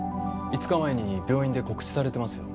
５日前に病院で告知されてますよ。